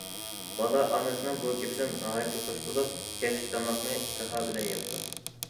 بالا ئانىسىنىڭ بۇ گېپىدىن ناھايىتى خۇش بولۇپ، كەچلىك تاماقنى ئىشتىھا بىلەن يەپتۇ.